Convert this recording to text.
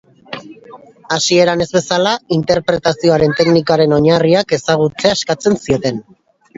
Hasieran ez bezala, interpretazioaren teknikaren oinarriak ezagutzea eskatzen zieten.